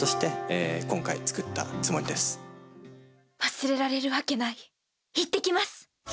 忘れられるわけないいってきます。